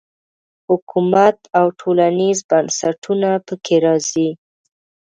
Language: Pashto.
حکومت او ټولنیز بنسټونه په کې راځي.